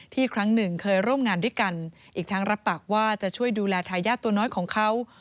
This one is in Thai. ครั้งหนึ่งเคยร่วมงานด้วยกันอีกทั้งรับปากว่าจะช่วยดูแลทายาทตัวน้อยของเขา